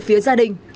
từ phía gia đình